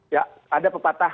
ya ada pepatah